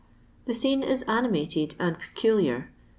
The scene is animated and peculiar.